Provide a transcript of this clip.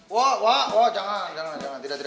wah wah wah jangan jangan jangan